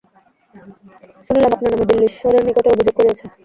শুনিলাম আপনার নামে দিল্লীশ্বরের নিকটে অভিযোগ করিয়াছে।